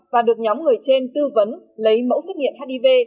và được nhóm người trên tư vấn lấy mẫu xét nghiệm hiv